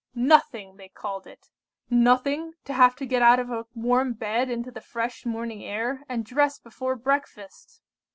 "Nothing! they called it nothing to have to get out of a warm bed into the fresh morning air, and dress before breakfast!